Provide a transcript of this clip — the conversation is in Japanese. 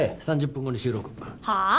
はあ？